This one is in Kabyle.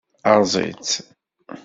Erẓ-itt.